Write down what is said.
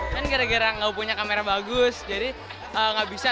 kan gara gara gak punya kamera bagus jadi nggak bisa